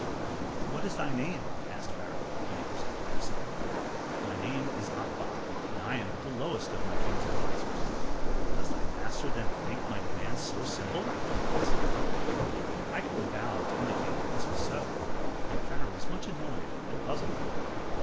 "What is thy name?" asked Pharaoh, when he presented himself. "My name is Akbam, and I am but the lowest of my king's advisers." "Does thy master then think my demand so simple?" asked Pharaoh. Ikkor bowed to indicate that this was so, and Pharaoh was much annoyed and puzzled.